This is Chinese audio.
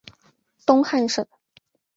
东汉省。